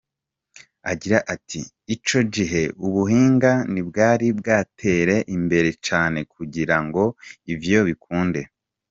Agira ati: "Ico gihe ubuhinga ntibwari bwatere imbere cane kugira ngo ivyo bikunde.